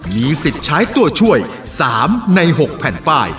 มีสิทธิ์ใช้ตัวช่วย๓ใน๖แผ่นป้าย